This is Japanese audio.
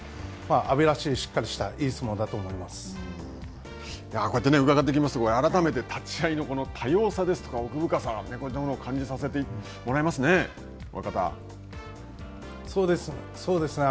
阿炎らしい、しっかりしたいい相こうやって伺っていきますと、改めて立ち合いの多様さですとか、奥深さ、感じさせてもらえますね。